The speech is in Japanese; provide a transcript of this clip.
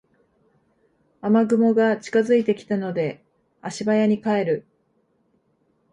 雨雲が近づいてきたので足早に帰る